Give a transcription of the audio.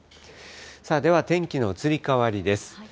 さあでは、天気の移り変わりです。